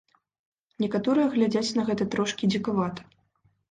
Некаторыя глядзяць на гэта трошкі дзікавата.